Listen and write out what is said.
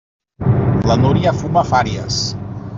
La Núria fuma fàries.